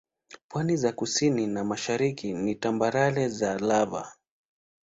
Pwani za kusini na mashariki ni tambarare za lava.